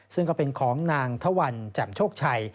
ซึ่งก็เป็นของนางทวันแจ่มโชคชัย